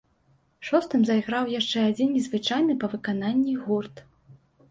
Шостым зайграў яшчэ адзін незвычайны па выкананні гурт.